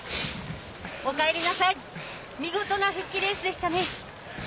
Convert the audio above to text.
おかえりなさい見事な復帰レースでしたね。